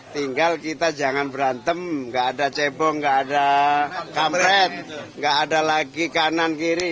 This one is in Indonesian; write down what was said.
tinggal kita jangan berantem gak ada cebong nggak ada kampret nggak ada lagi kanan kiri